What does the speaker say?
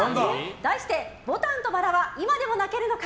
題して「牡丹と薔薇」は今でも泣けるのか！？